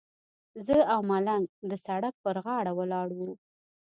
زه او ملنګ د سړک پر غاړه ولاړ وو.